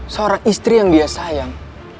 seorang istri yang dia sayang